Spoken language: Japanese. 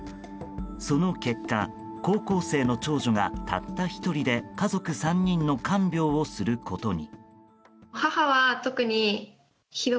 その結果、高校生の長女がたった１人で家族３人の看病をすることに。